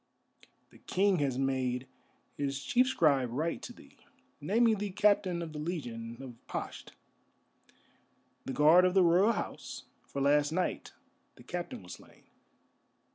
"The King has made his Chief Scribe write to thee, naming thee Captain of the Legion of Pasht, the Guard of the Royal House, for last night the Captain was slain.